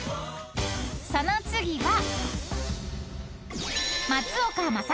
［その次は］